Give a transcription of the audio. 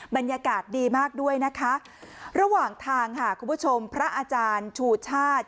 บรรยากาศดีมากด้วยนะคะระหว่างทางค่ะคุณผู้ชมพระอาจารย์ชูชาติ